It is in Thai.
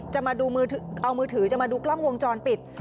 จะมาดูมือเอามือถือจะมาดูกล้องวงจรปิด